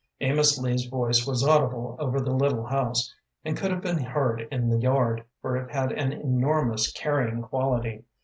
Amos Lee's voice was audible over the little house, and could have been heard in the yard, for it had an enormous carrying quality.